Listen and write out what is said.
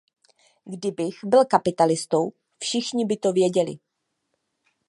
Kdybych byl kapitalistou, všichni by to věděli!